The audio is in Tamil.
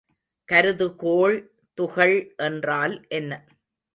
கருதுகோள் துகள் என்றால் என்ன?